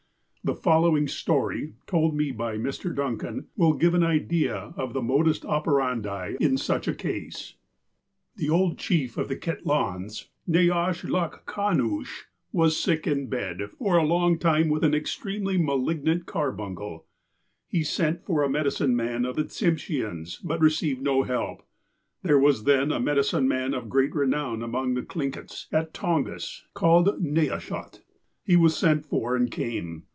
The following story, told me by Mr. Duncan, will give an idea of the modus operandi in such a case : "The old chief of the Kitlahns, Neyahshlakahnoosh,^ was sick in bed for a long time with an extremely ma lignant carbuncle. He sent for a medicine man of the Tsimsheans, but received no help. There was then a medicine man of great renown among the Thlingits, at Tongas, called Neyahshot. He was sent for, and came.